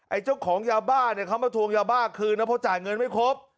เจ้าของยาบ้าเนี่ยเขามาทวงยาบ้าคืนนะเพราะจ่ายเงินไม่ครบ